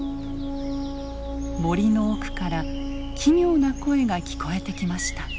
森の奥から奇妙な声が聞こえてきました。